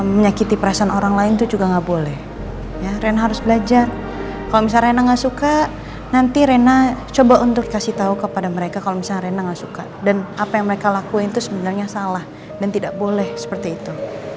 menyakiti perasaan orang lain itu juga nggak boleh rena harus belajar kalau misalnya nanti rena coba untuk kasih tahu kepada mereka kalau misalnya rena nggak suka dan apa yang mereka lakuin itu sebenarnya salah dan tidak boleh seperti itu